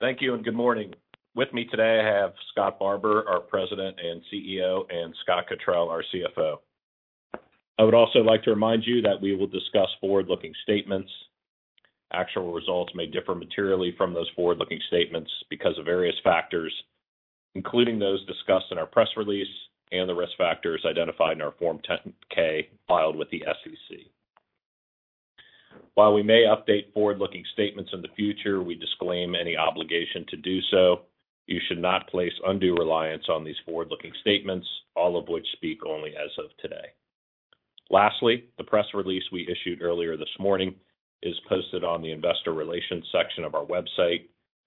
Thank you. Good morning. With me today, I have Scott Barbour, our President and CEO, and Scott Cottrill, our CFO. I would also like to remind you that we will discuss forward-looking statements. Actual results may differ materially from those forward-looking statements because of various factors, including those discussed in our press release and the risk factors identified in our Form 10-K filed with the SEC. While we may update forward-looking statements in the future, we disclaim any obligation to do so. You should not place undue reliance on these forward-looking statements, all of which speak only as of today. Lastly, the press release we issued earlier this morning is posted on the Investor Relations section of our website.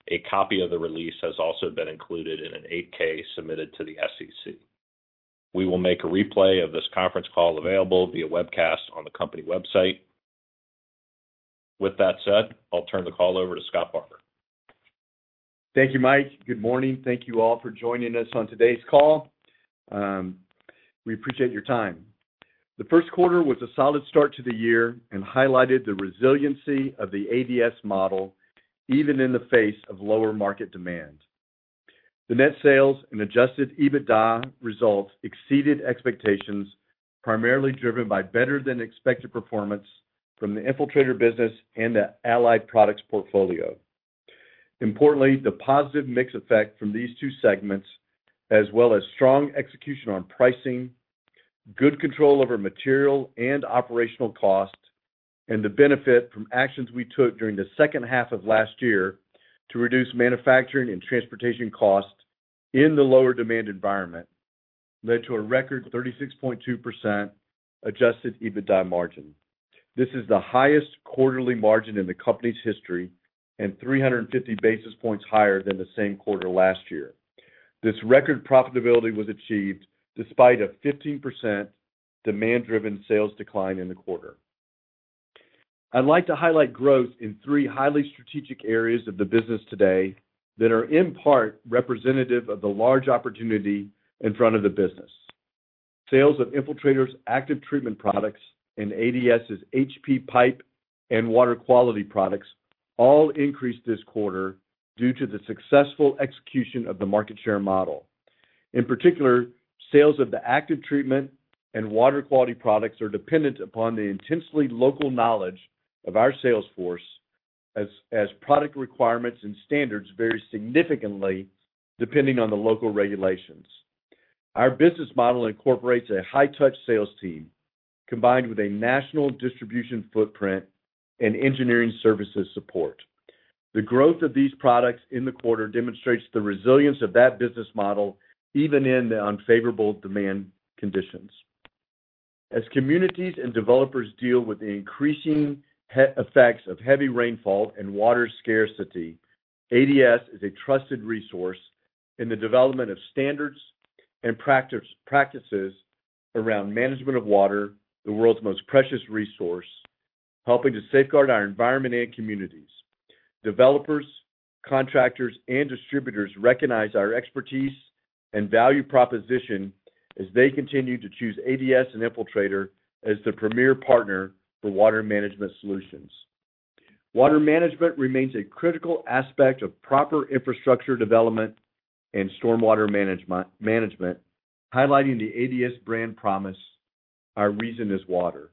A copy of the release has also been included in an 8-K submitted to the SEC. We will make a replay of this conference call available via webcast on the company website. With that said, I'll turn the call over to Scott Barbour. Thank you, Mike. Good morning. Thank you all for joining us on today's call. We appreciate your time. The first quarter was a solid start to the year and highlighted the resiliency of the ADS model, even in the face of lower market demand. The net sales and Adjusted EBITDA results exceeded expectations, primarily driven by better-than-expected performance from the Infiltrator business and the Allied Products portfolio. Importantly, the positive mix effect from these two segments, as well as strong execution on pricing, good control over material and operational costs, and the benefit from actions we took during the second half of last year to reduce manufacturing and transportation costs in the lower demand environment, led to a record 36.2% Adjusted EBITDA margin. This is the highest quarterly margin in the company's history and 350 basis points higher than the same quarter last year. This record profitability was achieved despite a 15% demand-driven sales decline in the quarter. I'd like to highlight growth in three highly strategic areas of the business today that are, in part, representative of the large opportunity in front of the business. Sales of Infiltrator's active treatment products and ADS's HP Pipe and water quality products all increased this quarter due to the successful execution of the market share model. In particular, sales of the active treatment and water quality products are dependent upon the intensely local knowledge of our sales force as product requirements and standards vary significantly depending on the local regulations. Our business model incorporates a high-touch sales team, combined with a national distribution footprint and engineering services support. The growth of these products in the quarter demonstrates the resilience of that business model, even in the unfavorable demand conditions. As communities and developers deal with the increasing effects of heavy rainfall and water scarcity, ADS is a trusted resource in the development of standards and practices around management of water, the world's most precious resource, helping to safeguard our environment and communities. Developers, contractors, and distributors recognize our expertise and value proposition as they continue to choose ADS and Infiltrator as the premier partner for water management solutions. Water management remains a critical aspect of proper infrastructure development and stormwater management, highlighting the ADS brand promise, "Our reason is water."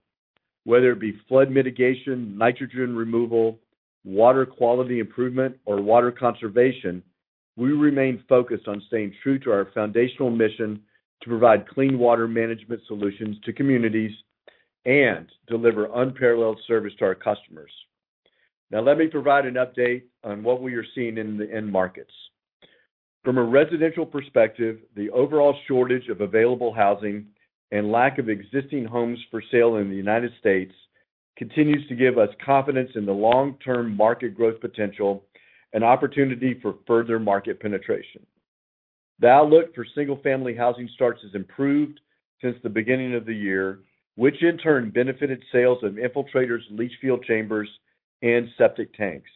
Whether it be flood mitigation, nitrogen removal, water quality improvement, or water conservation, we remain focused on staying true to our foundational mission to provide clean water management solutions to communities and deliver unparalleled service to our customers. Now, let me provide an update on what we are seeing in the end markets. From a residential perspective, the overall shortage of available housing and lack of existing homes for sale in the United States continues to give us confidence in the long-term market growth potential and opportunity for further market penetration. The outlook for single-family housing starts has improved since the beginning of the year, which in turn benefited sales of Infiltrators, leach field chambers, and septic tanks.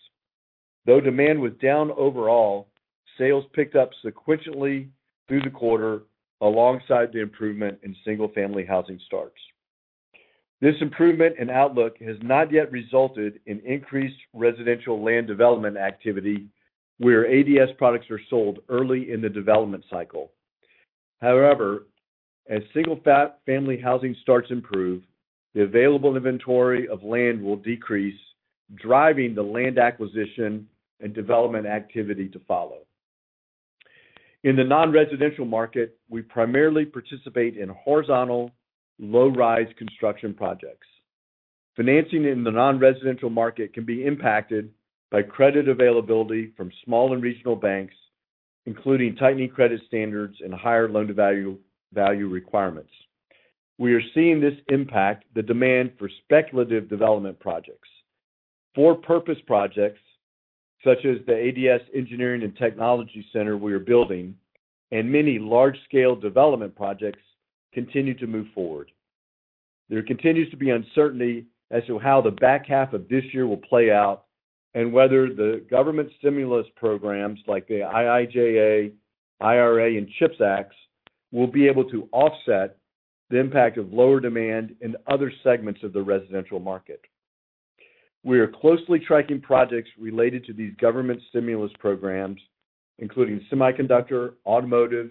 Though demand was down overall, sales picked up sequentially through the quarter alongside the improvement in single-family housing starts. This improvement in outlook has not yet resulted in increased residential land development activity, where ADS products are sold early in the development cycle. However, as single-family housing starts improve, the available inventory of land will decrease, driving the land acquisition and development activity to follow. In the non-residential market, we primarily participate in horizontal, low-rise construction projects. Financing in the non-residential market can be impacted by credit availability from small and regional banks, including tightening credit standards and higher loan-to-value, value requirements. We are seeing this impact the demand for speculative development projects. For-purpose projects, such as the ADS Engineering and Technology Center we are building and many large-scale development projects, continue to move forward. There continues to be uncertainty as to how the back half of this year will play out and whether the government stimulus programs, like the IIJA, IRA, and CHIPS Acts, will be able to offset the impact of lower demand in other segments of the residential market. We are closely tracking projects related to these government stimulus programs, including semiconductor, automotive,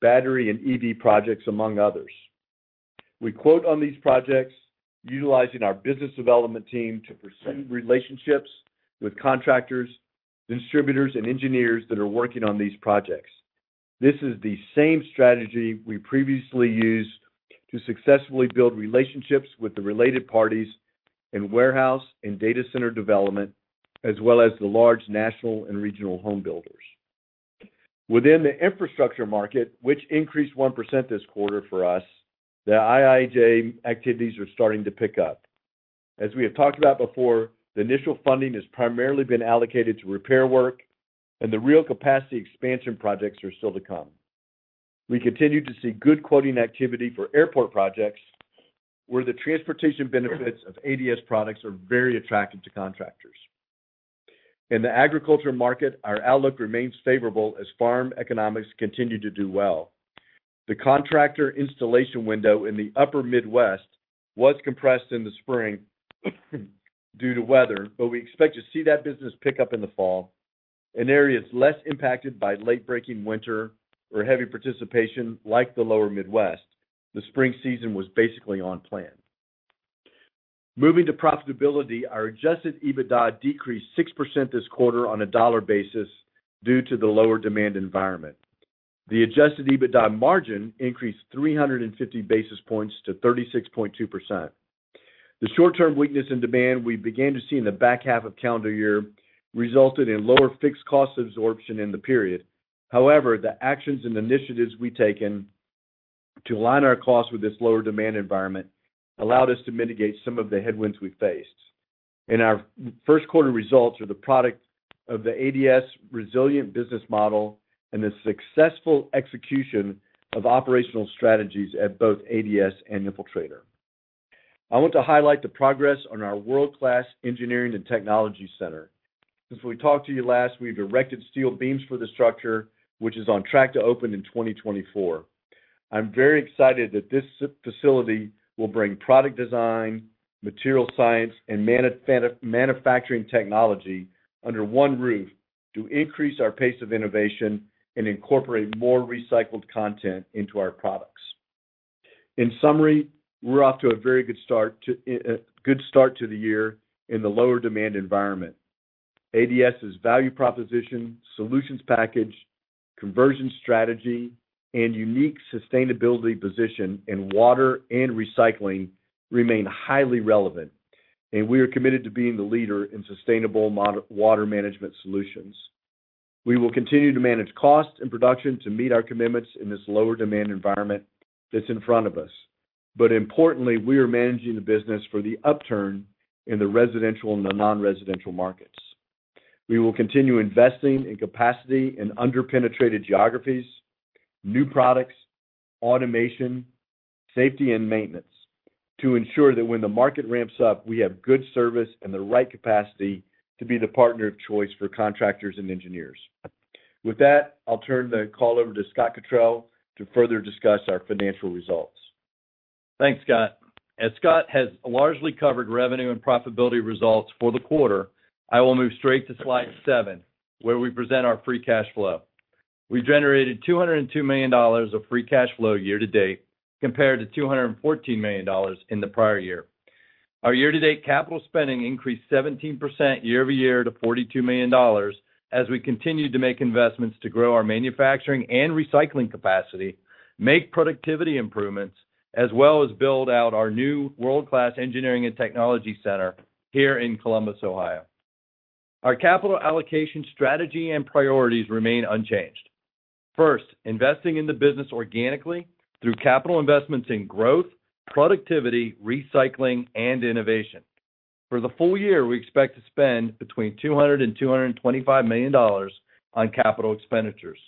battery, and EV projects, among others. We quote on these projects, utilizing our business development team to pursue relationships with contractors, distributors, and engineers that are working on these projects. This is the same strategy we previously used to successfully build relationships with the related parties in warehouse and data center development, as well as the large national and regional home builders. Within the infrastructure market, which increased 1% this quarter for us, the IIJ activities are starting to pick up. As we have talked about before, the initial funding has primarily been allocated to repair work, and the real capacity expansion projects are still to come. We continue to see good quoting activity for airport projects, where the transportation benefits of ADS products are very attractive to contractors. In the agriculture market, our outlook remains favorable as farm economics continue to do well. We expect to see that business pick up in the fall. In areas less impacted by late-breaking winter or heavy precipitation, like the lower Midwest, the spring season was basically on plan. Moving to profitability, our Adjusted EBITDA decreased 6% this quarter on a dollar basis due to the lower demand environment. The Adjusted EBITDA margin increased 350 basis points to 36.2%. The short-term weakness in demand we began to see in the back half of calendar year resulted in lower fixed cost absorption in the period. However, the actions and initiatives we've taken to align our costs with this lower demand environment allowed us to mitigate some of the headwinds we faced. Our first quarter results are the product of the ADS resilient business model and the successful execution of operational strategies at both ADS and Infiltrator. I want to highlight the progress on our world-class Engineering and Technology Center. Since we talked to you last, we've erected steel beams for the structure, which is on track to open in 2024. I'm very excited that this facility will bring product design, material science, and manufacturing technology under one roof to increase our pace of innovation and incorporate more recycled content into our products. In summary, we're off to a very good start to a good start to the year in the lower demand environment. ADS's value proposition, solutions package, conversion strategy, and unique sustainability position in water and recycling remain highly relevant, and we are committed to being the leader in sustainable water management solutions. We will continue to manage costs and production to meet our commitments in this lower demand environment that's in front of us. Importantly, we are managing the business for the upturn in the residential and the non-residential markets. We will continue investing in capacity in underpenetrated geographies, new products, automation, safety, and maintenance to ensure that when the market ramps up, we have good service and the right capacity to be the partner of choice for contractors and engineers. With that, I'll turn the call over to Scott Cottrill to further discuss our financial results. Thanks, Scott. As Scott has largely covered revenue and profitability results for the quarter, I will move straight to slide 7, where we present our free cash flow. We generated $202 million of free cash flow year-to-date, compared to $214 million in the prior year. Our year-to-date capital spending increased 17% year-over-year to $42 million, as we continued to make investments to grow our manufacturing and recycling capacity, make productivity improvements, as well as build out our new world-class ADS Engineering and Technology Center here in Columbus, Ohio. Our capital allocation strategy and priorities remain unchanged. First, investing in the business organically through capital investments in growth, productivity, recycling, and innovation. For the full year, we expect to spend between $200 million and $225 million on capital expenditures.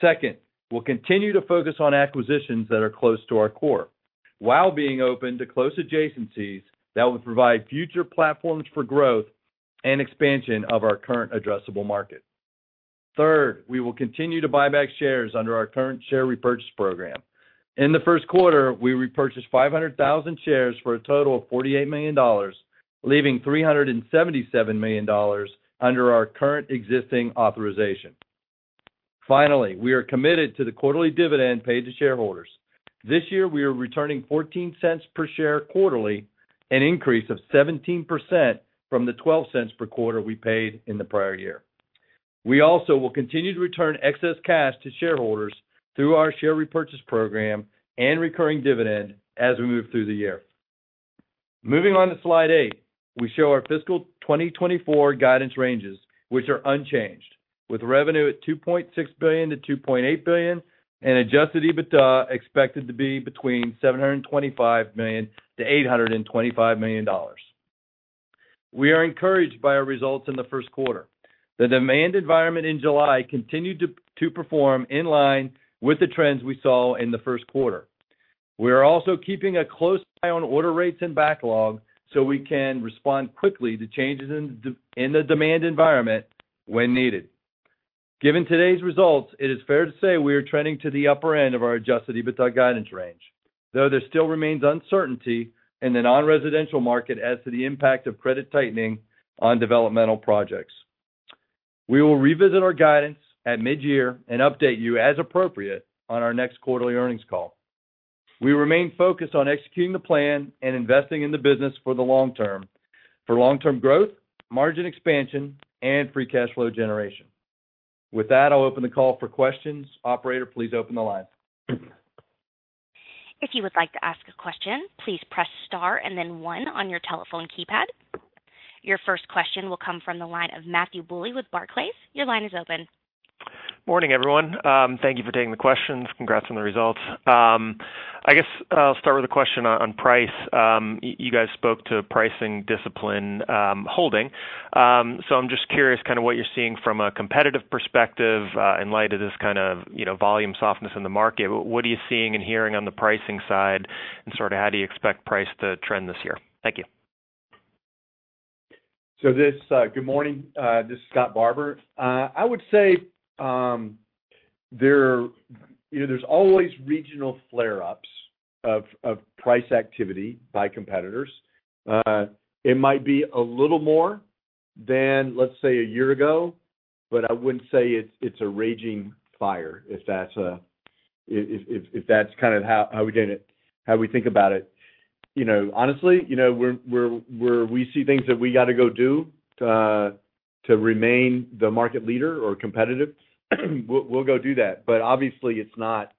Second, we'll continue to focus on acquisitions that are close to our core, while being open to close adjacencies that will provide future platforms for growth and expansion of our current addressable market. Third, we will continue to buy back shares under our current share repurchase program. In the first quarter, we repurchased 500,000 shares for a total of $48 million, leaving $377 million under our current existing authorization. Finally, we are committed to the quarterly dividend paid to shareholders. This year, we are returning $0.14 per share quarterly, an increase of 17% from the $0.12 per quarter we paid in the prior year. We also will continue to return excess cash to shareholders through our share repurchase program and recurring dividend as we move through the year. Moving on to Slide eight, we show our fiscal 2024 guidance ranges, which are unchanged, with revenue at $2.6 billion-$2.8 billion and Adjusted EBITDA expected to be between $725 million-$825 million. We are encouraged by our results in the first quarter. The demand environment in July continued to perform in line with the trends we saw in the first quarter. We are also keeping a close eye on order rates and backlog so we can respond quickly to changes in the demand environment when needed. Given today's results, it is fair to say we are trending to the upper end of our Adjusted EBITDA guidance range, though there still remains uncertainty in the non-residential market as to the impact of credit tightening on developmental projects. We will revisit our guidance at mid-year and update you as appropriate on our next quarterly earnings call. We remain focused on executing the plan and investing in the business for the long term, for long-term growth, margin expansion, and free cash flow generation. With that, I'll open the call for questions. Operator, please open the line. If you would like to ask a question, please "press star and then one" on your telephone keypad. Your first question will come from the line of Matthew Bouley with Barclays. Your line is open. Morning, everyone. Thank you for taking the questions. Congrats on the results. I guess, I'll start with a question on, on price. You, you guys spoke to pricing discipline, holding. I'm just curious, kind of what you're seeing from a competitive perspective, in light of this kind of, you know, volume softness in the market. What are you seeing and hearing on the pricing side, and sort of how do you expect price to trend this year? Thank you. Good morning, this is Scott Barbour. I would say, there, you know, there's always regional flare-ups of, of price activity by competitors. It might be a little more than, let's say, a year ago, but I wouldn't say it's, it's a raging fire, if that's, if, if, if that's kind of how, how we did it, how we think about it. You know, honestly, you know, we see things that we got to go do, to remain the market leader or competitive, we'll, we'll go do that. Obviously, it's not,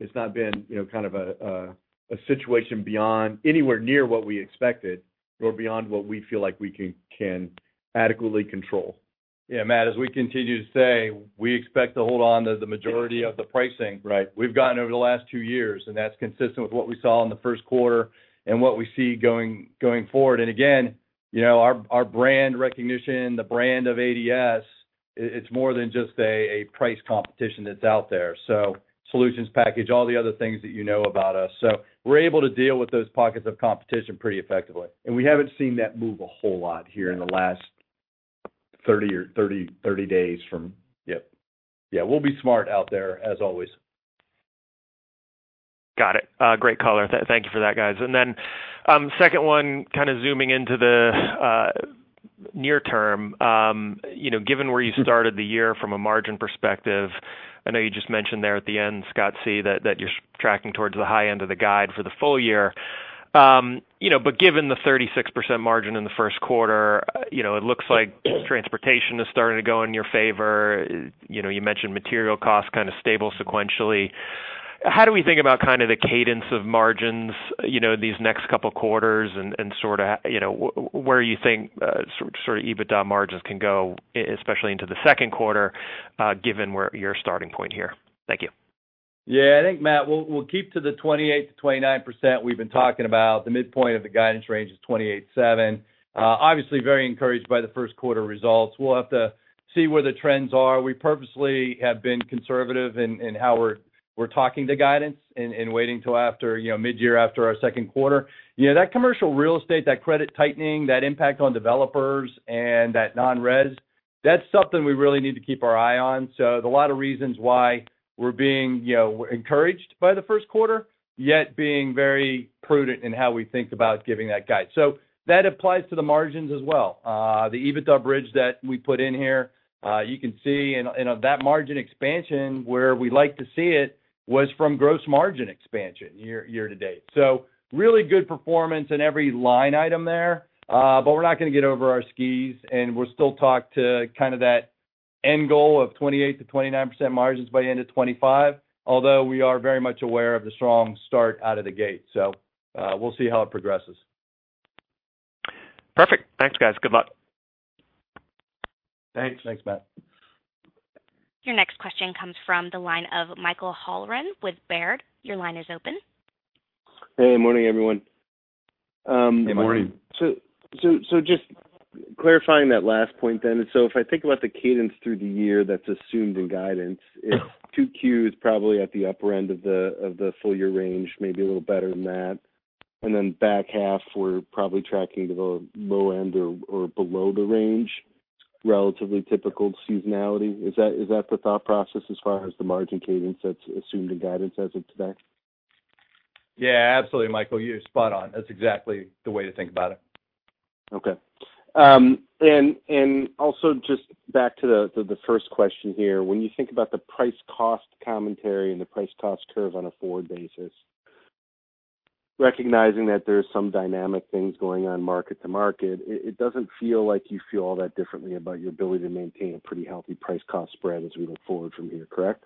it's not been, you know, kind of a, a, a situation beyond anywhere near what we expected or beyond what we feel like we can, can adequately control. Yeah, Matt, as we continue to say, we expect to hold on to the majority of the pricing, Right, we've gotten over the last two years, and that's consistent with what we saw in the first quarter and what we see going, going forward. Again, you know, our, our brand recognition, the brand of ADS, it, it's more than just a, a price competition that's out there. Solutions package, all the other things that you know about us. We're able to deal with those pockets of competition pretty effectively, and we haven't seen that move a whole lot here in the last 30 days from. Yep. Yeah, we'll be smart out there, as always. Got it. Great color. Thank you for that, guys. Second one, kind of zooming into the near term. You know, given where you started the year from a margin perspective, I know you just mentioned there at the end, Scott C., that you're tracking towards the high end of the guide for the full year. You know, given the 36% margin in the 1st quarter, you know, it looks like transportation is starting to go in your favor. You know, you mentioned material costs kind of stable sequentially. How do we think about kind of the cadence of margins, you know, these next couple quarters and sort of, you know, where you think EBITDA margins can go, especially into the 2nd quarter, given where your starting point here? Thank you. Yeah, I think, Matt, we'll, we'll keep to the 28%-29% we've been talking about. The midpoint of the guidance range is 28.7%. Obviously, very encouraged by the first quarter results. We'll have to see where the trends are. We purposely have been conservative in, in how we're, we're talking to guidance and, and waiting till after, you know, mid-year, after our second quarter. You know, that commercial real estate, that credit tightening, that impact on developers and that non-res, that's something we really need to keep our eye on. There's a lot of reasons why we're being, you know, encouraged by the first quarter, yet being very prudent in how we think about giving that guide. That applies to the margins as well. The EBITDA bridge that we put in here, you can see, and that margin expansion, where we like to see it, was from gross margin expansion year, year to date. Really good performance in every line item there, but we're not gonna get over our skis, and we'll still talk to kind of that end goal of 28%-29% margins by the end of 2025, although we are very much aware of the strong start out of the gate. We'll see how it progresses. Perfect. Thanks, guys. Good luck. Thanks. Thanks, Matt. Your next question comes from the line of Michael Halloran with Baird. Your line is open. Hey, good morning, everyone. Good morning. Just clarifying that last point. If I think about the cadence through the year that's assumed in guidance, if 2Q is probably at the upper end of the full year range, maybe a little better than that, and then back half, we're probably tracking to the low end or below the range, relatively typical seasonality. Is that, is that the thought process as far as the margin cadence that's assumed in guidance as of today? Yeah, absolutely, Michael, you're spot on. That's exactly the way to think about it. Okay. Also just back to the, the, the first question here. When you think about the price cost commentary and the price cost curve on a forward basis, recognizing that there are some dynamic things going on market to market, it, it doesn't feel like you feel all that differently about your ability to maintain a pretty healthy price cost spread as we go forward from here, correct?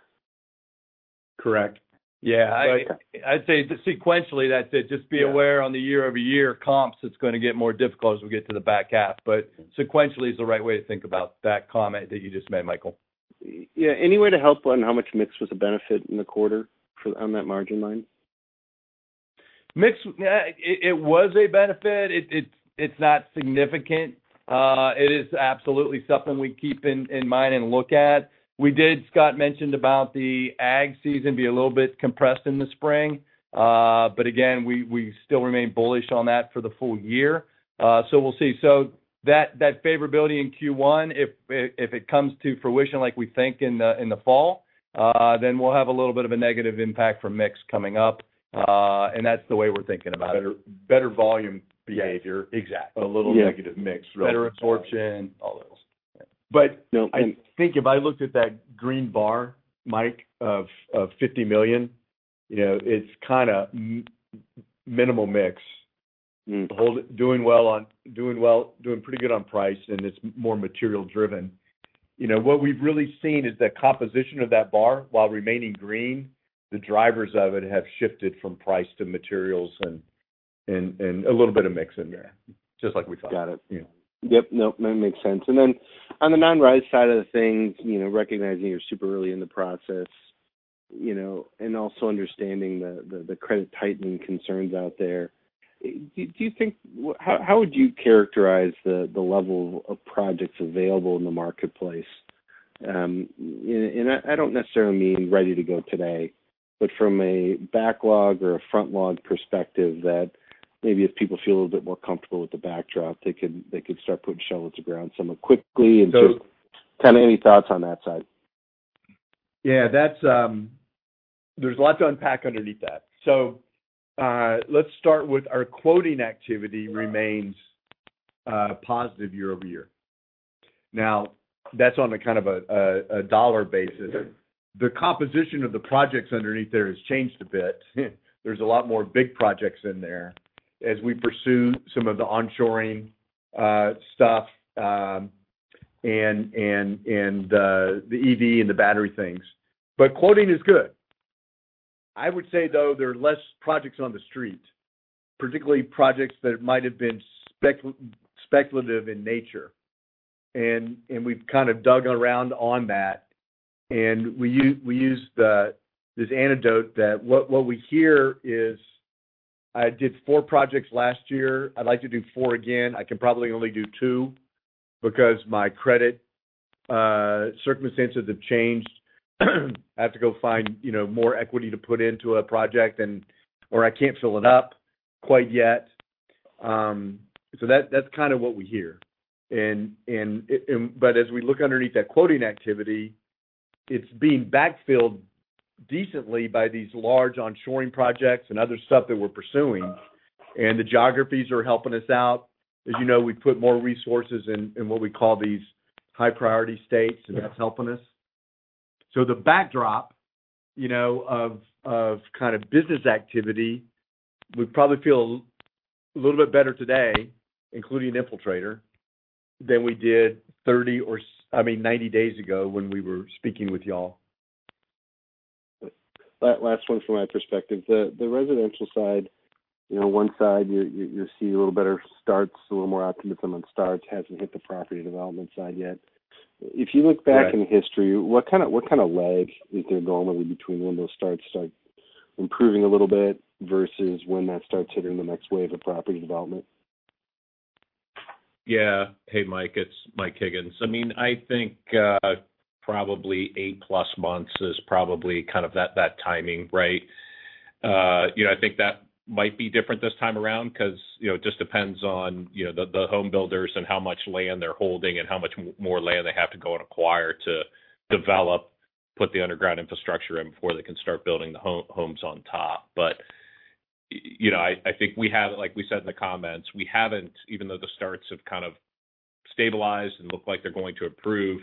Correct. Yeah. I I'd say sequentially, that's it just be aware on the year-over-year comps, it's gonna get more difficult as we get to the back half, but sequentially is the right way to think about that comment that you just made, Michael. Yeah. Any way to help on how much mix was a benefit in the quarter on that margin line? Mix, it was a benefit. It's not significant. It is absolutely something we keep in mind and look at. We did, Scott mentioned about the ag season be a little bit compressed in the spring, but again, we still remain bullish on that for the full year. We'll see. that, that favorability in Q1, if, if it comes to fruition like we think in the, in the fall, then we'll have a little bit of a negative impact from mix coming up. That's the way we're thinking about it. Better, better volume behavior. Yeah. Exactly. A little negative mix, right? Better fortune. All those. No. I think if I looked at that green bar, Mike, of $50 million, you know, it's kinda minimal mix. Mm. Hold it. Doing well, doing pretty good on price. It's more material driven. You know, what we've really seen is the composition of that bar, while remaining green, the drivers of it have shifted from price to materials and a little bit of mix in there, just like we thought. Got it. Yeah. Yep. Nope, that makes sense. On the non-res side of the things, you know, recognizing you're super early in the process, you know, and also understanding the credit tightening concerns out there, do you think, how would you characterize the level of projects available in the marketplace? I don't necessarily mean ready to go today, but from a backlog or a frontlog perspective, that maybe if people fee a little bit more comfortable with the backdrop, they could start putting shovels in the ground somewhere quickly. Just kind of any thoughts on that side? Yeah, that's. There's a lot to unpack underneath that. Let's start with our quoting activity remains positive year-over-year. Now, that's on a kind of a, a, a dollar basis. The composition of the projects underneath there has changed a bit. There's a lot more big projects in there as we pursue some of the onshoring stuff, and, and, and, the EV and the battery things. Quoting is good. I would say, though, there are less projects on the street, particularly projects that might have been speculative in nature. We've kind of dug around on that, and we use the, this anecdote that what, what we hear is: I did four projects last year. I'd like to do four again. I can probably only do two because my credit circumstances have changed. I have to go find, you know, more equity to put into a project or I can't fill it up quite yet. That's kind of what we hear. As we look underneath that quoting activity, it's being backfilled decently by these large onshoring projects and other stuff that we're pursuing, and the geographies are helping us out. As you know, we put more resources in, in what we call these high-priority states, and that's helping us. The backdrop, you know, of, of kind of business activity, we probably feel a little bit better today, including Infiltrator, than we did 30 or I mean, 90 days ago when we were speaking with y'all. Last one from my perspective. The residential side, you know, one side, you're seeing a little better starts, a little more optimism on starts, hasn't hit the property development side yet. Right. If you look back in history, what kind of, what kind of lag is there normally between when those starts start improving a little bit versus when that starts hitting the next wave of property development? Yeah. Hey, Mike, it's Mike Higgins. I mean, I think, probably 8+ months is probably kind of that, that timing, right? You know, I think that might be different this time around because, you know, it just depends on, you know, the, the home builders and how much land they're holding and how much more land they have to go and acquire to develop, put the underground infrastructure in before they can start building the homes on top. You know, I, I think we have, like we said in the comments, we haven't, even though the starts have kind of stabilized and look like they're going to improve,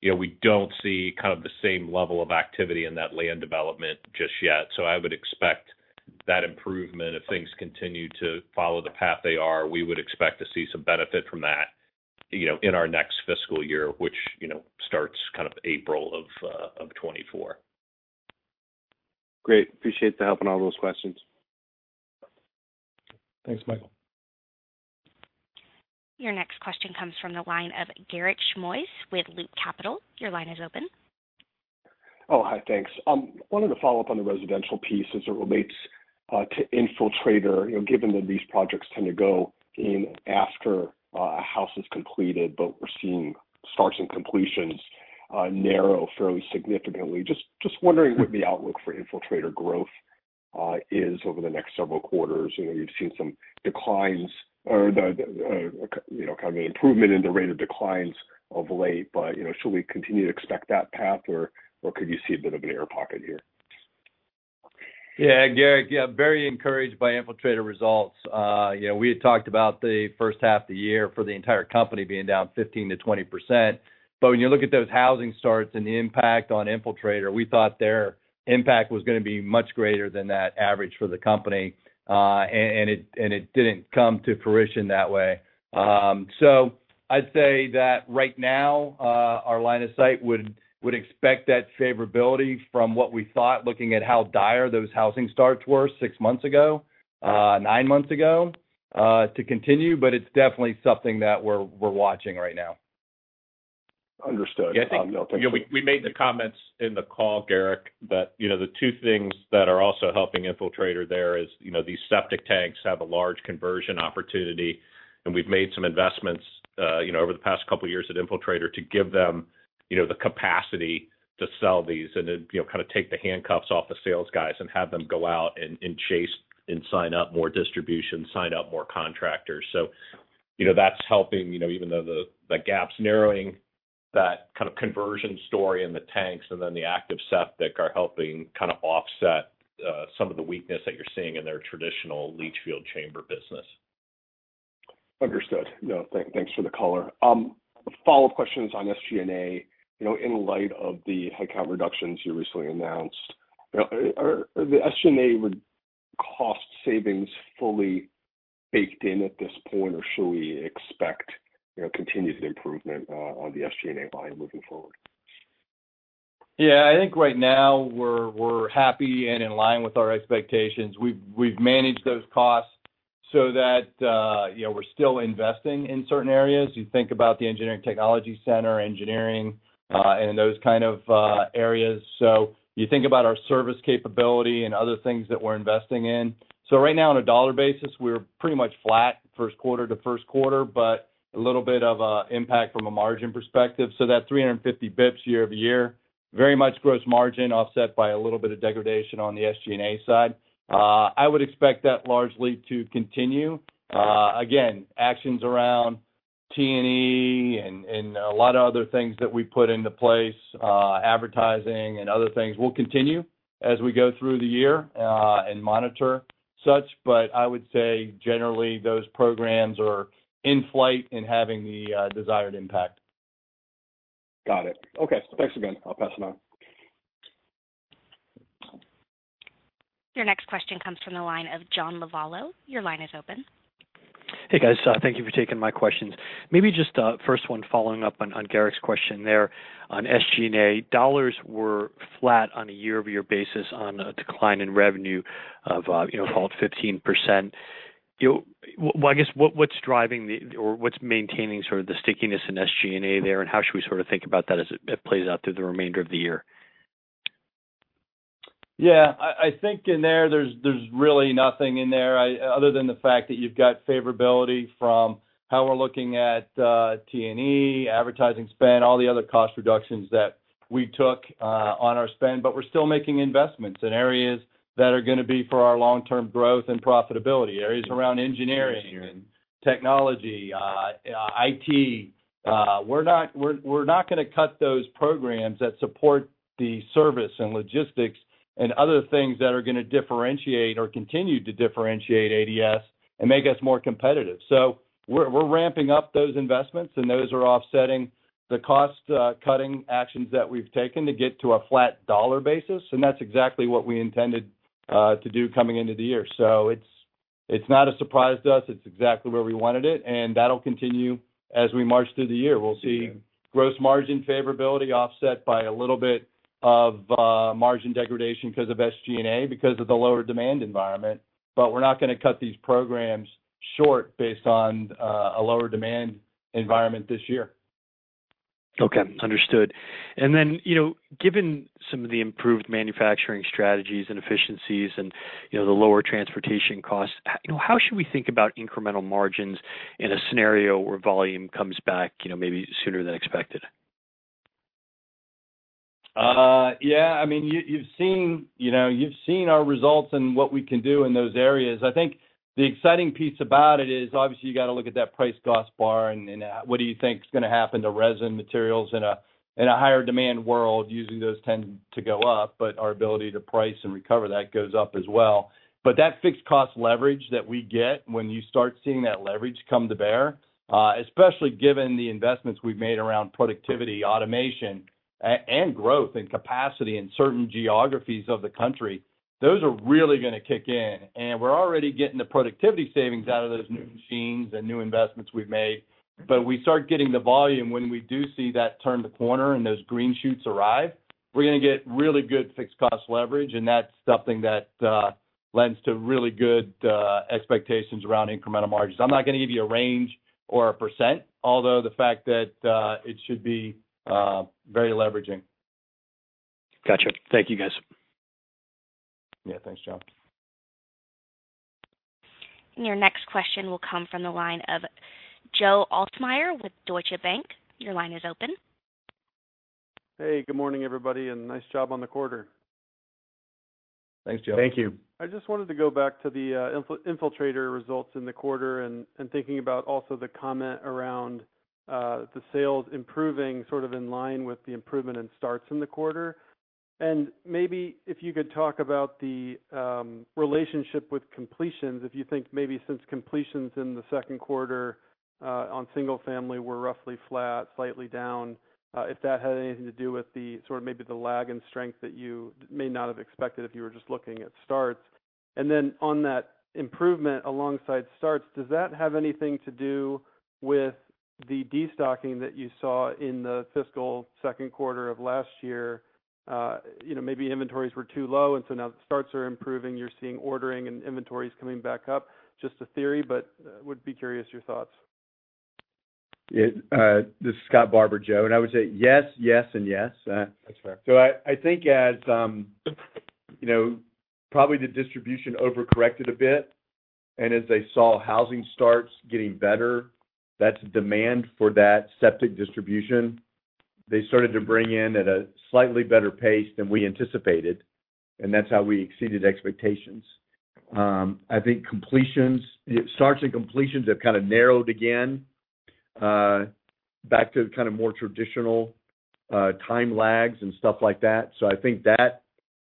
you know, we don't see kind of the same level of activity in that land development just yet. I would expect that improvement, if things continue to follow the path they are, we would expect to see some benefit from that, you know, in our next fiscal year, which, you know, starts kind of April of, of 2024. Great. Appreciate the help on all those questions. Thanks, Michael. Your next question comes from the line of Garik Shmois with Loop Capital. Your line is open. Oh, hi. Thanks. wanted to follow up on the residential piece as it relates to Infiltrator, you know, given that these projects tend to go in after a house is completed, but we're seeing starts and completions narrow fairly significantly. Just wondering what the outlook for Infiltrator growth is over the next several quarters. You know, you've seen some declines or the, the, you know, kind of improvement in the rate of declines of late, but, you know, should we continue to expect that path, or, or could you see a bit of an air pocket here? Yeah, Garik, yeah, very encouraged by Infiltrator results. You know, we had talked about the first half of the year for the entire company being down 15%-20%, but when you look at those housing starts and the impact on Infiltrator, we thought their impact was gonna be much greater than that average for the company. It, and it didn't come to fruition that way. I'd say that right now, our line of sight would, would expect that favorability from what we thought, looking at how dire those housing starts were 6 months ago, 9 months ago, to continue, but it's definitely something that we're, we're watching right now. Understood. Yeah, thank you. We, we made the comments in the call, Garik, you know, the two things that are also helping Infiltrator there is, you know, these septic tanks have a large conversion opportunity, and we've made some investments, you know, over the past couple of years at Infiltrator to give them, you know, the capacity to sell these and then, you know, kind of take the handcuffs off the sales guys and have them go out and, and chase and sign up more distribution, sign up more contractors. You know, that's helping. You know, even though the, the gap's narrowing. that kind of conversion story in the tanks and then the active septic are helping kind of offset some of the weakness that you're seeing in their traditional leach field chamber business. Understood. No, thanks for the color. follow-up questions on SG&A. You know, in light of the headcount reductions you recently announced, are the SG&A would cost savings fully baked in at this point, or should we expect, you know, continued improvement, on the SG&A line moving forward? Yeah, I think right now we're, we're happy and in line with our expectations. We've, we've managed those costs so that, you know, we're still investing in certain areas. You think about the Engineering Technology Center, engineering, and those kind of areas. You think about our service capability and other things that we're investing in. Right now, on a dollar basis, we're pretty much flat first quarter to first quarter, but a little bit of a impact from a margin perspective. That 350 bips year-over-year, very much gross margin, offset by a little bit of degradation on the SG&A side. I would expect that largely to continue. Again, actions around T&E and a lot of other things that we put into place, advertising and other things will continue as we go through the year, and monitor such. I would say generally, those programs are in flight and having the desired impact. Got it. Okay, thanks again. I'll pass it on. Your next question comes from the line of John Lovallo. Your line is open. Hey, guys, thank you for taking my questions. Maybe just, first one, following up on, on Garik's question there on SG&A. $ were flat on a year-over-year basis on a decline in revenue of, you know, about 15%. Well, I guess, what, what's driving the or what's maintaining sort of the stickiness in SG&A there, and how should we sort of think about that as it, it plays out through the remainder of the year? Yeah, I, I think in there, there's, there's really nothing in there, other than the fact that you've got favorability from how we're looking at, T&E, advertising spend, all the other cost reductions that we took, on our spend. But we're still making investments in areas that are gonna be for our long-term growth and profitability, areas around engineering and technology, IT. We're not, we're, we're not gonna cut those programs that support the service and logistics and other things that are gonna differentiate or continue to differentiate ADS and make us more competitive. So we're, we're ramping up those investments, and those are offsetting the cost, cutting actions that we've taken to get to a flat dollar basis, and that's exactly what we intended, to do coming into the year. So it's, it's not a surprise to us. It's exactly where we wanted it. That'll continue as we march through the year. We'll see gross margin favorability offset by a little bit of margin degradation because of SG&A, because of the lower demand environment. We're not gonna cut these programs short based on a lower demand environment this year. Okay, understood. Then, you know, given some of the improved manufacturing strategies and efficiencies and, you know, the lower transportation costs, how should we think about incremental margins in a scenario where volume comes back, you know, maybe sooner than expected? Yeah, I mean, you, you've seen, you know, you've seen our results and what we can do in those areas. I think the exciting piece about it is, obviously, you got to look at that price cost bar and, and what do you think is gonna happen to resin materials in a, in a higher demand world? Usually, those tend to go up, but our ability to price and recover, that goes up as well. But that fixed cost leverage that we get, when you start seeing that leverage come to bear, especially given the investments we've made around productivity, automation, and growth and capacity in certain geographies of the country, those are really gonna kick in. And we're already getting the productivity savings out of those new machines and new investments we've made. We start getting the volume when we do see that turn the corner and those green shoots arrive, we're gonna get really good fixed cost leverage, and that's something that lends to really good expectations around incremental margins. I'm not gonna give you a range or a %, although the fact that it should be very leveraging. Gotcha. Thank you, guys. Yeah. Thanks, John. Your next question will come from the line of Joe Ahlersmeyer with Deutsche Bank. Your line is open. Hey, good morning, everybody, and nice job on the quarter. Thanks, Joe. Thank you. I just wanted to go back to the infil-Infiltrator results in the quarter and, and thinking about also the comment around the sales improving sort of in line with the improvement in starts in the quarter. Maybe if you could talk about the relationship with completions, if you think maybe since completions in the second quarter on single family were roughly flat, slightly down, if that had anything to do with the sort of maybe the lag in strength that you may not have expected if you were just looking at starts? Then on that improvement alongside starts, does that have anything to do with the destocking that you saw in the fiscal second quarter of last year? You know, maybe inventories were too low, and so now the starts are improving. You're seeing ordering and inventories coming back up. Just a theory, but would be curious your thoughts. Yeah, this is Scott Barbour, Joe. I would say yes, yes and yes. Go ahead I, I think as, you know, probably the distribution overcorrected a bit, and as they saw housing starts getting better, that's demand for that septic distribution. They started to bring in at a slightly better pace than we anticipated, and that's how we exceeded expectations. I think completions, starts and completions have kind of narrowed again, back to kind of more traditional, time lags and stuff like that. So I think that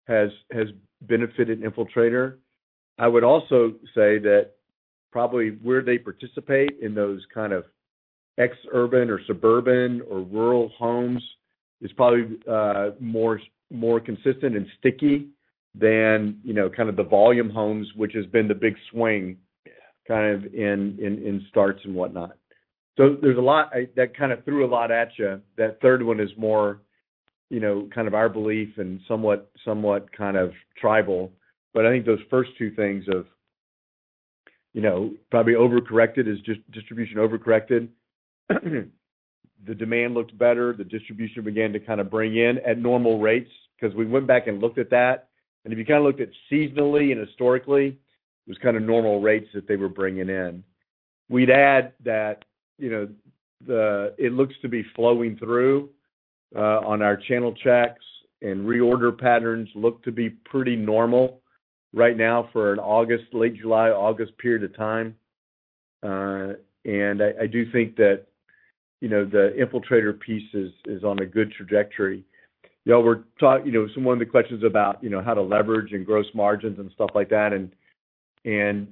has, has benefited Infiltrator. I would also say that probably where they participate in those kind of ex-urban or suburban or rural homes is probably, more, more consistent and sticky than, you know, kind of the volume homes, which has been the big swing kind of in, in, in starts and whatnot. So there's a lot. I, that kind of threw a lot at you. That third one is more, you know, kind of our belief and somewhat, somewhat kind of tribal. But I think those first two things of, you know, probably overcorrected is just distribution overcorrected. The demand looked better, the distribution began to kind of bring in at normal rates, 'cause we went back and looked at that. If you kind of looked at seasonally and historically, it was kind of normal rates that they were bringing in. We'd add that, you know, the, it looks to be flowing through on our channel checks, and reorder patterns look to be pretty normal right now for an August, late July, August period of time. I, I do think that, you know, the Infiltrator piece is, is on a good trajectory. Y'all were, you know, so one of the questions about, you know, how to leverage and gross margins and stuff like that, and, and,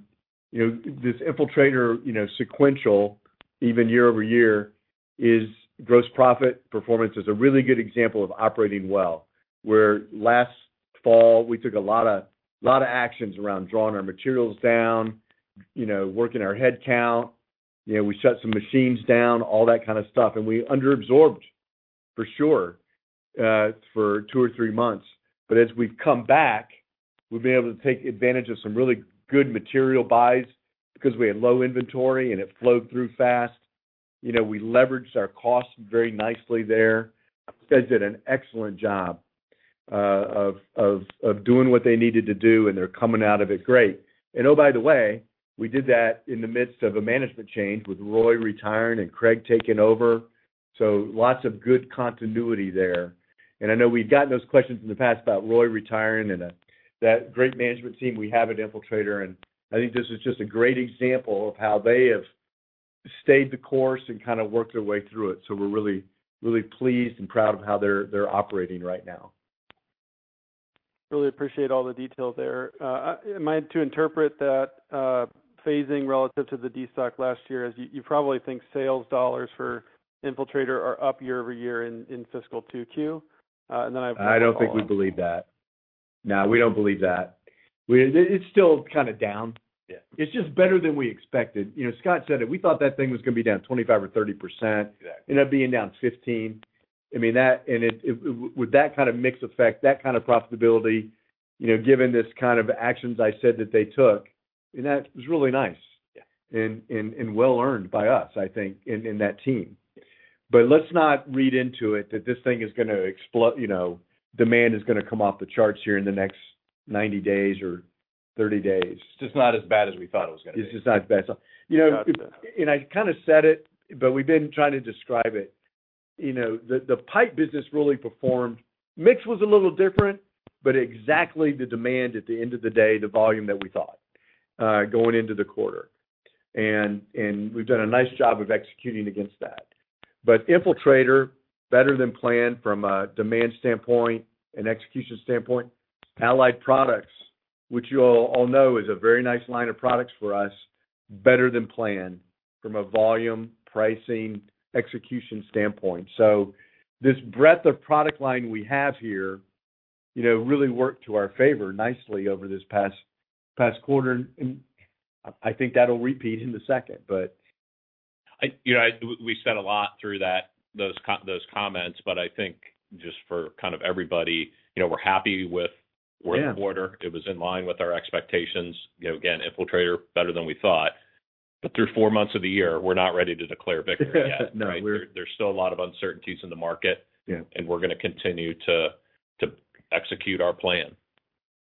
you know, this Infiltrator, you know, sequential, even year-over-year, is gross profit. Performance is a really good example of operating well, where last fall, we took a lot of, lot of actions around drawing our materials down, you know, working our headcount, you know, we shut some machines down, all that kind of stuff, and we underabsorbed, for sure, for two or three months. As we've come back, we've been able to take advantage of some really good material buys because we had low inventory, and it flowed through fast. You know, we leveraged our costs very nicely there. Guys did an excellent job, of, of, of doing what they needed to do, and they're coming out of it great. Oh, by the way, we did that in the midst of a management change, with Roy retiring and Craig taking over. Lots of good continuity there. I know we've gotten those questions in the past about Roy retiring and that great management team we have at Infiltrator, and I think this is just a great example of how they have stayed the course and kind of worked their way through it. We're really, really pleased and proud of how they're, they're operating right now. Really appreciate all the detail there. Am I to interpret that, phasing relative to the destock last year, as you, you probably think sales dollars for Infiltrator are up year-over-year in, in fiscal 2Q? And then I- I don't thing we believe that. It's just better than we expected. You know, Scott said it, we thought that thing was going to be down 25% or 30%. Ended up being down 15. I mean, that, and it, it, with that kind of mix effect, that kind of profitability, you know, given this kind of actions I said that they took, and that was really nice. Yeah. Well earned by us, I think, in, in that team. Let's not read into it that this thing is going to explo, you know, demand is going to come off the charts here in the next 90 days or 30 days. It's just not as bad as we thought it was going to be. It's just not as bad. You know, I kind of said it, but we've been trying to describe it. You know, the pipe business really performed. Mix was a little different, but exactly the demand at the end of the day, the volume that we thought going into the quarter. We've done a nice job of executing against that. Infiltrator, better than planned from a demand standpoint and execution standpoint. Allied Products, which you all know is a very nice line of products for us, better than planned from a volume, pricing, execution standpoint. This breadth of product line we have here, you know, really worked to our favor nicely over this past quarter, and I think that'll repeat in the second. I, you know, we said a lot through that, those comments, but I think just for kind of everybody, you know, we're happy with- Yeah the quarter. It was in line with our expectations. You know, again, Infiltrator, better than we thought. Through four months of the year, we're not ready to declare victory yet. No. There's still a lot of uncertainties in the market. Yeah. We're going to continue to, to execute our plan.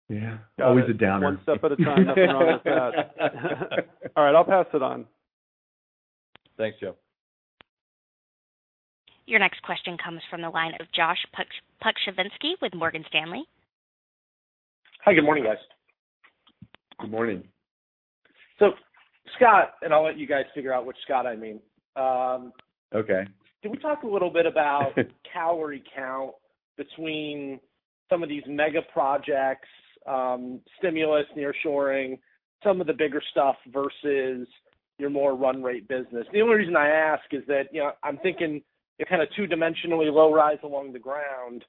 Yeah, always a downer. One step at a time, nothing wrong with that. All right, I'll pass it on. Thanks, Joe. Your next question comes from the line of Josh Pokrzywinski with Morgan Stanley. Hi, good morning, guys. Good morning. Scott, and I'll let you guys figure out which Scott I mean. Okay. Can we talk a little bit about tower count between some of these mega projects, stimulus, nearshoring, some of the bigger stuff versus your more run rate business? The only reason I ask is that, you know, I'm thinking kind of two-dimensionally, low rise along the ground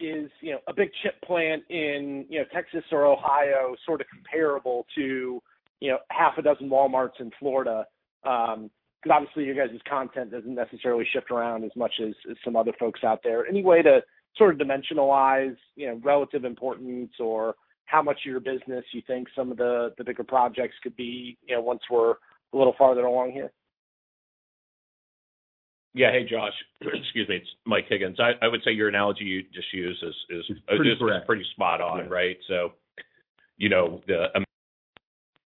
is, you know, a big chip plant in, you know, Texas or Ohio, sort of comparable to, you know, half a dozen Walmarts in Florida. Because obviously, your guys' content doesn't necessarily shift around as much as, as some other folks out there. Any way to sort of dimensionalize, you know, relative importance or how much of your business you think some of the, the bigger projects could be, you know, once we're a little farther along here? Yeah. Hey, Josh. Excuse me. It's Mike Higgins. I would say your analogy you just used is. Pretty correct.pretty spot on, right? You know, you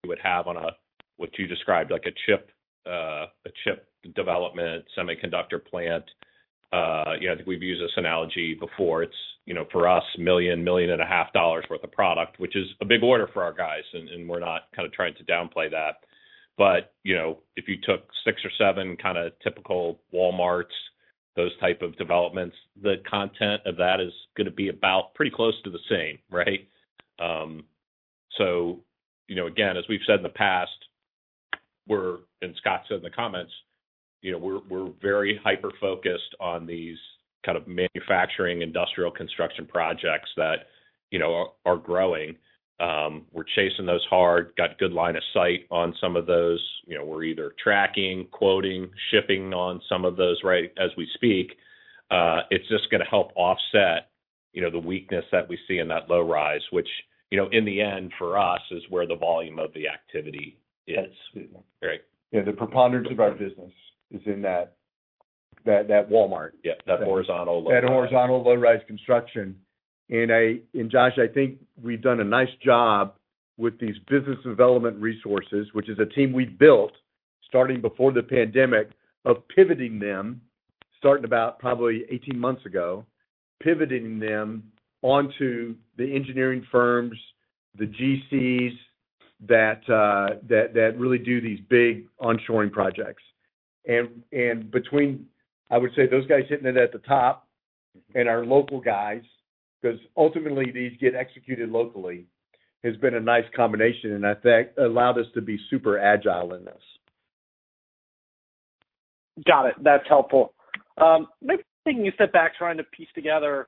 would have on a, what you described, like a chip, a chip development semiconductor plant. Yeah, I think we've used this analogy before. It's, you know, for us, $1 million-$1.5 million worth of product, which is a big order for our guys, and, and we're not kind of trying to downplay that. You know, if you took 6 or 7 kinda typical Walmarts, those type of developments, the content of that is gonna be about pretty close to the same, right? You know, again, as we've said in the past, we're and Scott said in the comments, you know, we're, we're very hyper-focused on these kind of manufacturing, industrial construction projects that, you know, are, are growing. We're chasing those hard, got good line of sight on some of those. You know, we're either tracking, quoting, shipping on some of those right as we speak. It's just gonna help offset, you know, the weakness that we see in that low rise, which, you know, in the end, for us, is where the volume of the activity is. Right. Yeah, the preponderance of our business is in that, that, that Walmart. Yeah, that horizontal, low rise. That horizontal, low-rise construction. Josh, I think we've done a nice job with these business development resources, which is a team we built starting before the pandemic, of pivoting them, starting about probably 18 months ago, pivoting them onto the engineering firms, the GCs, that, that, that really do these big onshoring projects. And between, I would say, those guys hitting it at the top and our local guys, because ultimately these get executed locally, has been a nice combination, and I think allowed us to be super agile in this. Got it. That's helpful. Maybe taking a step back, trying to piece together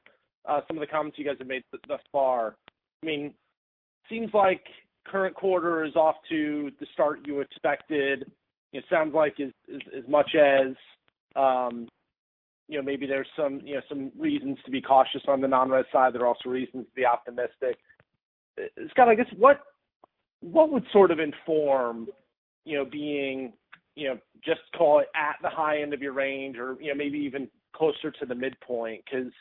some of the comments you guys have made thus far. I mean, seems like current quarter is off to the start you expected. It sounds like as, as, as much as, you know, maybe there's some, you know, some reasons to be cautious on the non-res side, there are also reasons to be optimistic. Scott, I guess, what, what would sort of inform, you know, being, you know, just call it at the high end of your range or, you know, maybe even closer to the midpoint? Because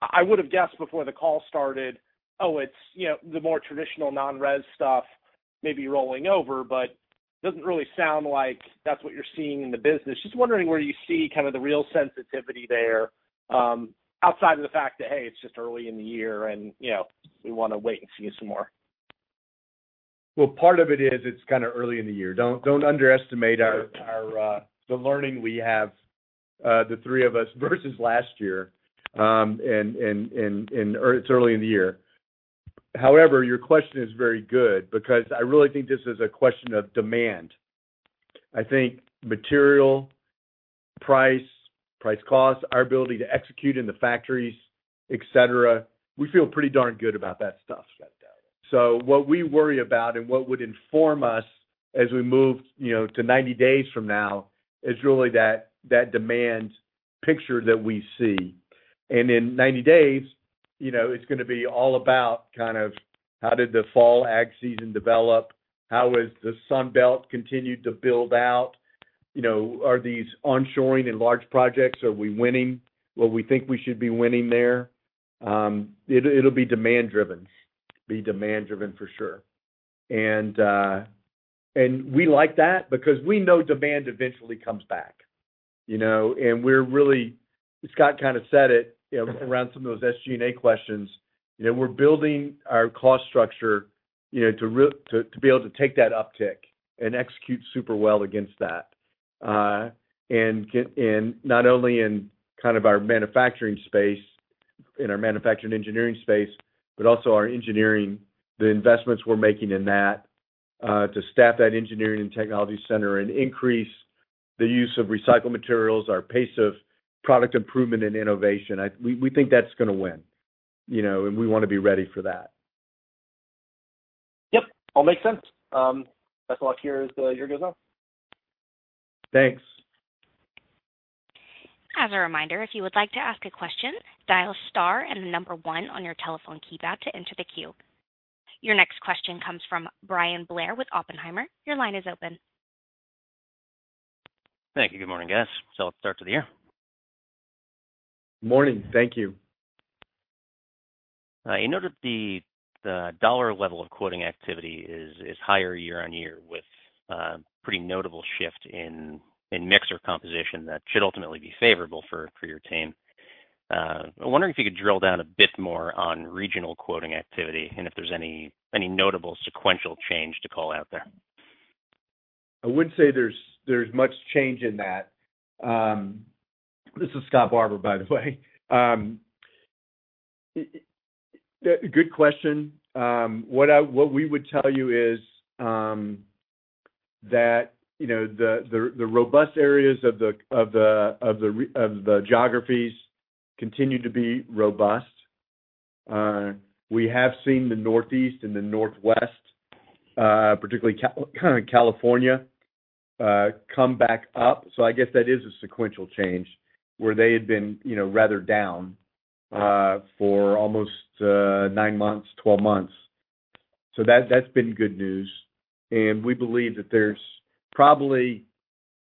I would have guessed before the call started, oh, it's, you know, the more traditional non-res stuff maybe rolling over, but it doesn't really sound like that's what you're seeing in the business. Just wondering where you see kind of the real sensitivity there, outside of the fact that, hey, it's just early in the year, and, you know, we wanna wait and see some more. Well, part of it is, it's kind of early in the year. Don't, don't underestimate our, our, the learning we have, the three of us, versus last year. And it's early in the year. However, your question is very good because I really think this is a question of demand. I think material, price, price costs, our ability to execute in the factories, et cetera, we feel pretty darn good about that stuff. What we worry about and what would inform us as we move, you know, to 90 days from now, is really that, that demand picture that we see. In 90 days, you know, it's gonna be all about kind of, how did the fall ag season develop? How has the Sun Belt continued to build out? You know, are these onshoring and large projects, are we winning what we think we should be winning there? It'll, it'll be demand driven, be demand driven for sure. We like that because we know demand eventually comes back, you know, and we're really... Scott kind of said it, you know, around some of those SG&A questions. You know, we're building our cost structure, you know, to, to be able to take that uptick and execute super well against that. Not only in kind of our manufacturing space, in our manufacturing engineering space, but also our engineering, the investments we're making in that, to staff that ADS Engineering and Technology Center and increase the use of recycled materials, our pace of product improvement and innovation. We think that's gonna win, you know, and we wanna be ready for that. Yep, all makes sense. Best of luck here as the year goes on. Thanks. As a reminder, if you would like "to ask a question, dial star and one" on your telephone keypad to enter the queue. Your next question comes from Brian Blair with Oppenheimer. Your line is open. Thank you. Good morning, guys. Let's start to the year. Morning. Thank you. I know that the, the dollar level of quoting activity is, is higher year-over-year with pretty notable shift in, in mix or composition that should ultimately be favorable for, for your team. I'm wondering if you could drill down a bit more on regional quoting activity and if there's any, any notable sequential change to call out there? I would say there's, there's much change in that. This is Scott Barbour, by the way. Good question. What we would tell you is, that, you know, the, the, the robust areas of the, of the, of the geographies continue to be robust. We have seen the Northeast and the Northwest, particularly Cal, California, come back up. I guess that is a sequential change where they had been, you know, rather down for almost nine months, 12 months. That's been good news, and we believe that there's probably,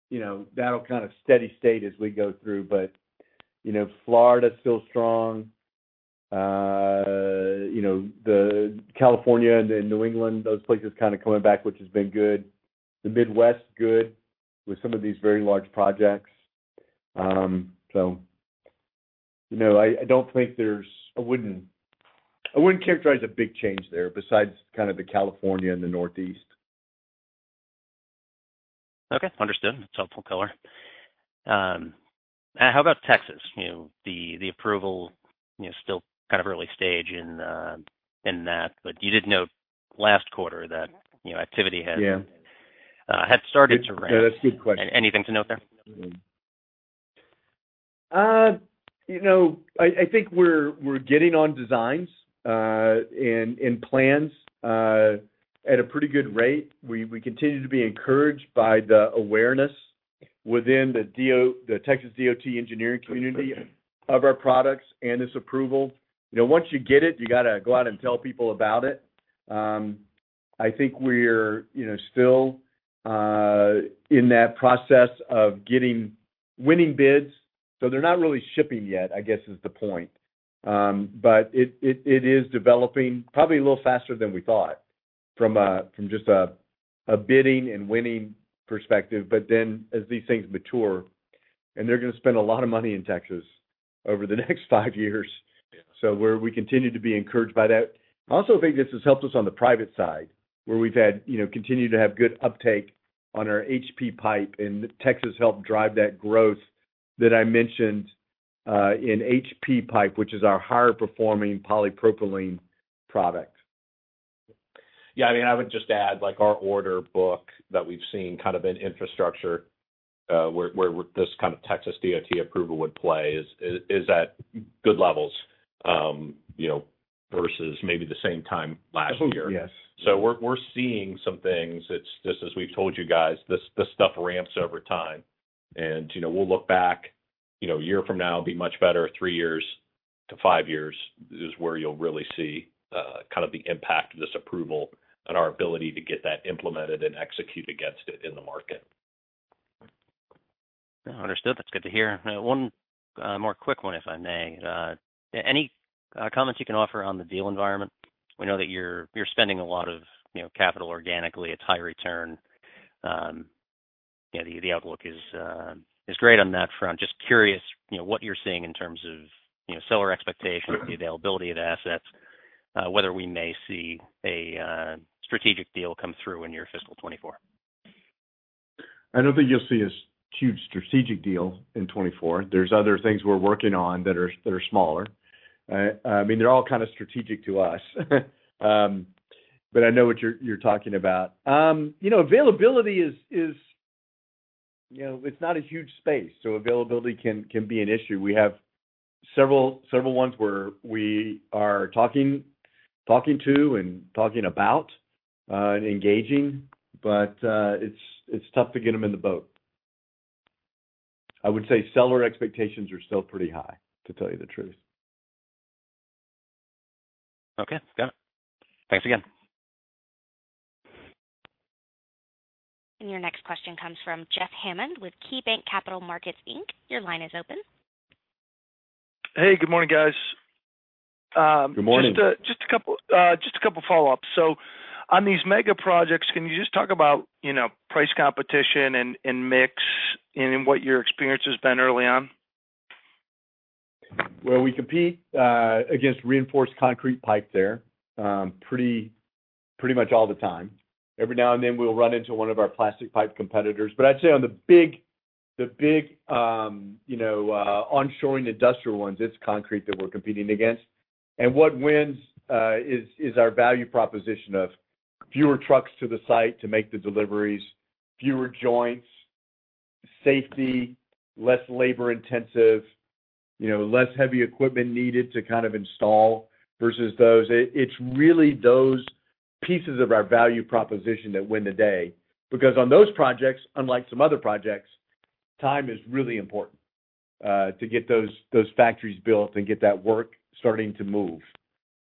you know, that'll kind of steady state as we go through. You know, Florida is still strong, you know, the California and New England, those places kind of coming back, which has been good. The Midwest, good, with some of these very large projects. You know, I wouldn't, I wouldn't characterize a big change there besides kind of the California and the Northeast. Okay, understood. That's helpful color. How about Texas? You know, the, the approval, you know, still kind of early stage in that, but you did note last quarter that, you know, activity had- Yeah Had started to ramp. Yeah, that's a good question. Anything to note there? You know, I think we're getting on designs, and plans, at a pretty good rate. We continue to be encouraged by the awareness within the Texas DOT engineering community of our products and this approval. You know, once you get it, you got to go out and tell people about it. I think we're, you know, still in that process of getting winning bids. They're not really shipping yet, I guess, is the point. It is developing probably a little faster than we thought from just a bidding and winning perspective. Then as these things mature, and they're going to spend a lot of money in Texas over the next five years, we continue to be encouraged by that. I also think this has helped us on the private side, where we've had, you know, continued to have good uptake on our HP Pipe, and Texas helped drive that growth that I mentioned, in HP Pipe, which is our higher performing polypropylene product. Yeah, I mean, I would just add, like, our order book that we've seen kind of in infrastructure, where, where this kind of Texas DOT approval would play is, is at good levels, you know, versus maybe the same time last year. Oh, yes. We're, we're seeing some things. It's just as we've told you guys, this, this stuff ramps over time, and, you know, we'll look back, you know, a year from now, it'll be much better. 3 years to 5 years is where you'll really see kind of the impact of this approval and our ability to get that implemented and execute against it in the market. Understood. That's good to hear. One, more quick one, if I may. Any comments you can offer on the deal environment? We know that you're, you're spending a lot of, you know, capital organically. It's high return. Yeah, the outlook is great on that front. Just curious, you know, what you're seeing in terms of, you know, seller expectations the availability of assets, whether we may see a, strategic deal come through in your fiscal 2024. I don't think you'll see a huge strategic deal in 2024. There's other things we're working on that are, that are smaller. I mean, they're all kind of strategic to us, but I know what you're, you're talking about. You know, availability is, is, you know, it's not a huge space, so availability can, can be an issue. We have several, several ones where we are talking, talking to and talking about, and engaging, but it's, it's tough to get them in the boat. I would say seller expectations are still pretty high, to tell you the truth. Okay, got it. Thanks again. Your next question comes from Jeff Hammond with KeyBanc Capital Markets Inc. Your line is open. Hey, good morning, guys. Good morning. Just a, just a couple, just a couple follow-ups. On these mega projects, can you just talk about, you know, price competition and, and mix and what your experience has been early on? Well, we compete against reinforced concrete pipe there, pretty, pretty much all the time. Every now and then, we'll run into one of our plastic pipe competitors, but I'd say on the big, the big, you know, onshoring industrial ones, it's concrete that we're competing against. What wins is our value proposition of fewer trucks to the site to make the deliveries, fewer joints, safety, less labor intensive, you know, less heavy equipment needed to kind of install versus those. It, it's really those pieces of our value proposition that win the day, because on those projects, unlike some other projects, time is really important to get those, those factories built and get that work starting to move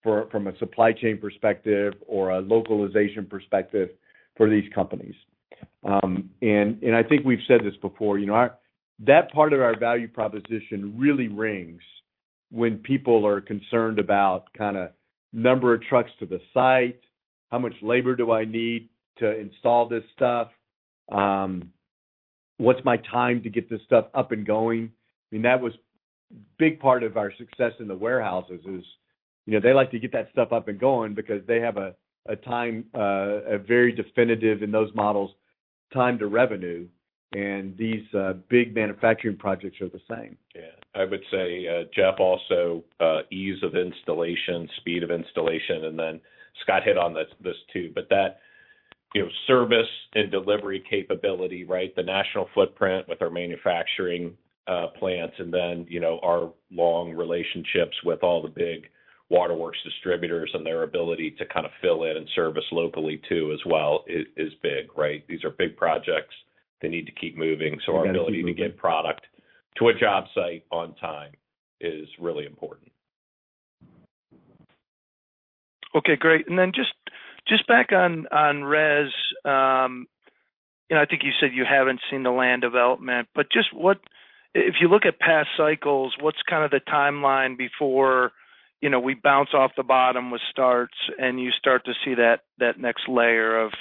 for from a supply chain perspective or a localization perspective for these companies. I think we've said this before, you know, that part of our value proposition really rings when people are concerned about kind of number of trucks to the site, how much labor do I need to install this stuff? What's my time to get this stuff up and going? I mean, that was big part of our success in the warehouses is, you know, they like to get that stuff up and going because they have a, a time, a very definitive in those models, time to revenue, and these big manufacturing projects are the same. Yeah. I would say, Jeff, also, ease of installation, speed of installation, and then Scott hit on this, this too, but that, you know, service and delivery capability, right? The national footprint with our manufacturing, plants, and then, you know, our long relationships with all the big waterworks distributors and their ability to kind of fill in and service locally, too, as well, is, is big, right? These are big projects. They need to keep moving. That's absolutely- Our ability to get product to a job site on time is really important. Okay, great. Then just, just back on, on res, you know, I think you said you haven't seen the land development, but just if you look at past cycles, what's kind of the timeline before, you know, we bounce off the bottom with starts, and you start to see that, that next layer of,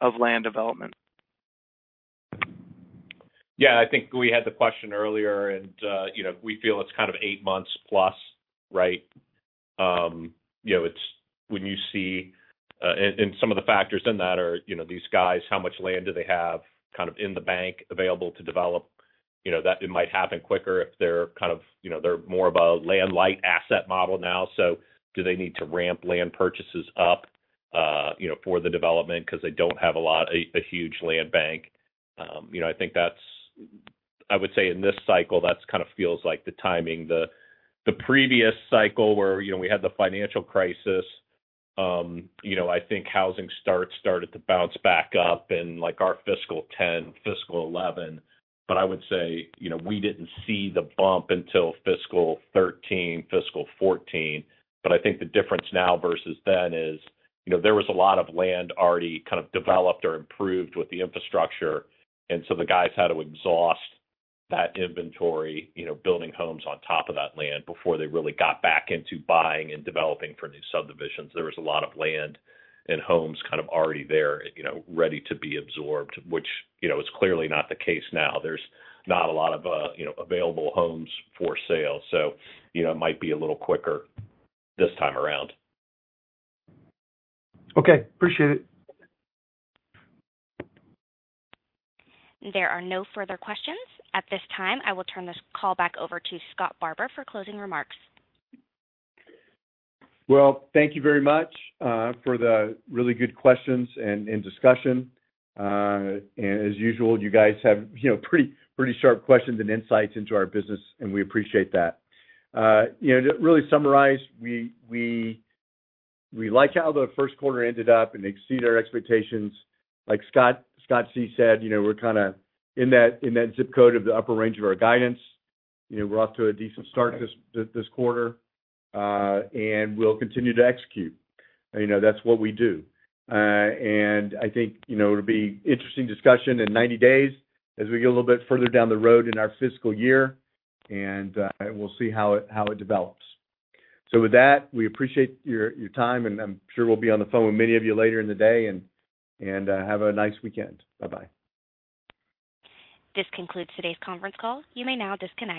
of land development? Yeah, I think we had the question earlier, you know, we feel it's kind of 8 months plus, right? You know, it's when you see, some of the factors in that are, you know, these guys, how much land do they have kind of in the bank available to develop? You know, that it might happen quicker if they're kind of, you know, they're more of a land light asset model now. Do they need to ramp land purchases up, you know, for the development because they don't have a lot, a, a huge land bank? You know, I think that's, I would say in this cycle, that's kind of feels like the timing. The, the previous cycle where, you know, we had the financial crisis, you know, I think housing starts started to bounce back up in, like, our fiscal 2010, fiscal 2011. I would say, you know, we didn't see the bump until fiscal thirteen, fiscal fourteen. I think the difference now versus then is, you know, there was a lot of land already kind of developed or improved with the infrastructure, and so the guys had to exhaust that inventory, you know, building homes on top of that land before they really got back into buying and developing for new subdivisions. There was a lot of land and homes kind of already there, you know, ready to be absorbed, which, you know, is clearly not the case now. There's not a lot of, you know, available homes for sale, so, you know, it might be a little quicker this time around. Okay, appreciate it. There are no further questions. At this time, I will turn this call back over to Scott Barbour for closing remarks. Well, thank you very much for the really good questions and discussion. As usual, you guys have, you know, pretty, pretty sharp questions and insights into our business, and we appreciate that. You know, to really summarize, we, we, we like how the first quarter ended up and exceeded our expectations. Like Scott, Scott C. said, you know, we're kinda in that, in that zip code of the upper range of our guidance. You know, we're off to a decent start this, this quarter, and we'll continue to execute. You know, that's what we do. I think, you know, it'll be interesting discussion in 90 days as we get a little bit further down the road in our fiscal year, and we'll see how it, how it develops. With that, we appreciate your time, and I'm sure we'll be on the phone with many of you later in the day, have a nice weekend. Bye-bye. This concludes today's conference call. You may now disconnect.